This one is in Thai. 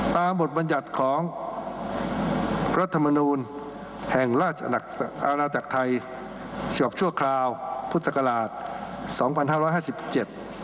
ตามบทบรรยัติของรัฐมนุนแห่งราชอาณาจักรไทยศิษย์ชั่วคราวพุทธศักราช๒๕๕๗